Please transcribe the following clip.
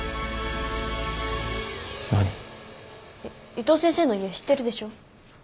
伊藤先生の家知ってるでしょ？